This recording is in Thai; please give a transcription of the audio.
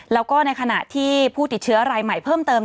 แล้วก็ในขณะที่ผู้ติดเชื้อรายใหม่เพิ่มเติม